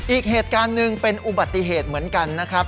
อีกเหตุการณ์หนึ่งเป็นอุบัติเหตุเหมือนกันนะครับ